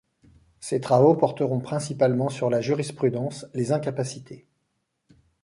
Ses travaux porteront principalement sur la jurisprudence, les incapacités.